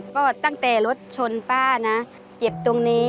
ก็ตั้งแต่รถชนป้านะเจ็บตรงนี้